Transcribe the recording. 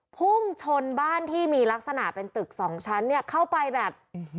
พุ่งชนบ้านที่มีลักษณะเป็นตึกสองชั้นเนี่ยเข้าไปแบบ